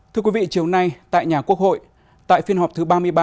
thưa quý vị chiều nay tại nhà quốc hội tại phiên họp thứ ba mươi ba